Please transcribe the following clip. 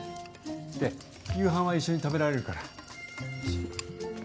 で、夕飯は一緒に食べられるから。